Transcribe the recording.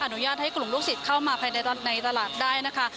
อนุญาตให้กลุ่มลูกศิษย์เข้ามาภายในตลาดได้นะคะ